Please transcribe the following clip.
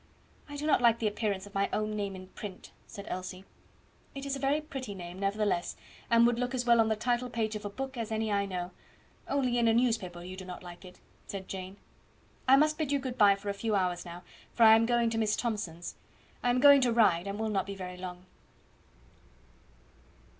"I do not like the appearance of my own name in print," said Elsie. "It is a very pretty name, nevertheless, and would look as well on the title page of a book as any I know only in a newspaper you do not like it," said Jane. "I must bid you good bye for a few hours now, for I am going to Miss Thomson's. I am going to ride, and will not be very long."